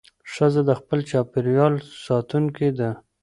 ښځه د خپل چاپېریال ساتونکې ده.